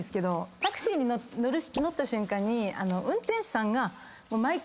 タクシーに乗った瞬間に運転手さんが毎回。